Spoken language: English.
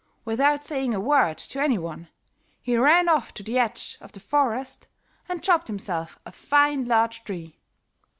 Without saying a word to any one, he ran off to the edge of the forest and chopped himself a fine large tree.